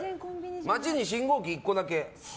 町に信号機１個だけ。